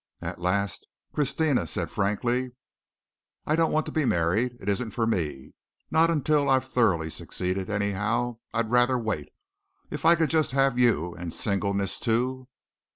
At last Christina said frankly: "I don't want to be married. It isn't for me not until I've thoroughly succeeded, anyhow. I'd rather wait If I could just have you and singleness too."